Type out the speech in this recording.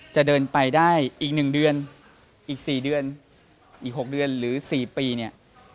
จะเดินไปได้อีก๑เดือนอีก๔เดือนอีก๖เดือนหรือ๔ปีเนี่ย